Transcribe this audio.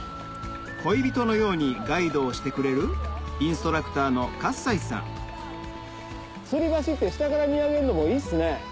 恋人のようにガイドをしてくれる吊り橋って下から見上げるのもいいっすね。